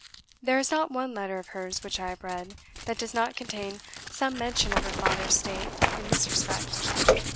There is not one letter of hers which I have read, that does not contain some mention of her father's state in this respect.